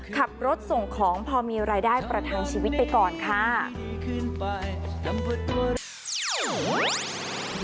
ขับรถส่งของพอมีรายได้ประทังชีวิตไปก่อนค่ะ